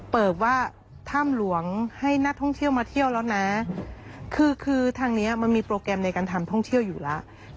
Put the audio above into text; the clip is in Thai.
เปิดว่าถ้ำหลวงให้นักท่องเที่ยวมาเที่ยวแล้วนะคือคือทางนี้มันมีโปรแกรมในการทำท่องเที่ยวอยู่แล้ว